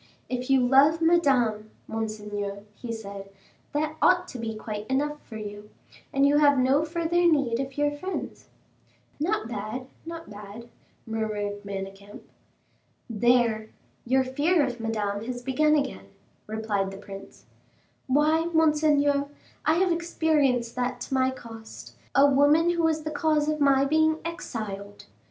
"If you love Madame, monseigneur," he said, "that ought to be quite enough for you, and you have no further need of your friends." "Not bad, not bad," murmured Manicamp. "There, your fear of Madame has begun again," replied the prince. "Why, monseigneur, I have experienced that to my cost; a woman who was the cause of my being exiled!"